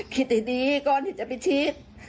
คิดดีก่อนที่จะไปชี้